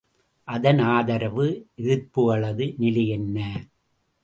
அதன் ஆதரவு எதிர்ப்புகளது நிலையென்ன.